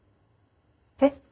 えっ。